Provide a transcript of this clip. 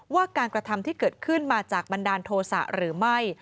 ว่าการกระทำที่เกิดขึ้นมาจากบันดาลโทษะหรือไม่